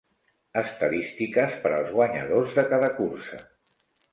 Estadístiques per als guanyadors de cada cursa.